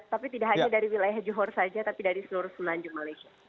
tapi tidak hanya dari wilayah johor saja tapi dari seluruh selanjung malaysia